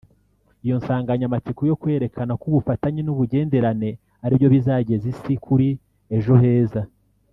Iyo nsanganyamatsiko yo kwerekana ko ubufatanye n’ubugenderane ari byo bizageza isi kuri ejo heza